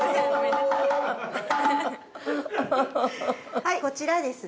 ◆はい、こちらですね